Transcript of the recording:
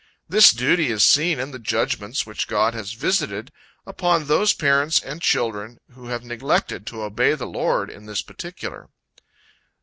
This duty is seen in the judgments which God has visited upon those parents and children who have neglected to obey the Lord in this particular.